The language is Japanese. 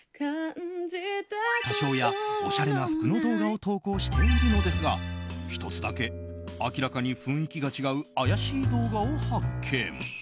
歌唱や、おしゃれな服の動画を投稿しているのですが１つだけ、明らかに雰囲気が違う怪しい動画を発見。